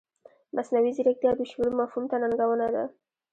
مصنوعي ځیرکتیا د شعور مفهوم ته ننګونه ده.